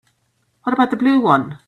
What about the blue one?